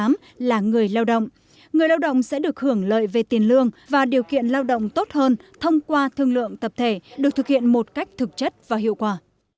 công ước số chín mươi tám là người lao động người lao động sẽ được hưởng lợi về tiền lương và điều kiện lao động tốt hơn thông qua thương lượng tập thể được thực hiện một cách thực chất và hiệu quả